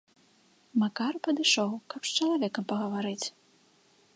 Макар падышоў, каб з чалавекам пагаварыць.